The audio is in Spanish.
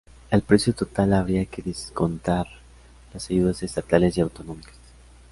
Al precio total habría que descontar las ayudas estatales y autonómicas.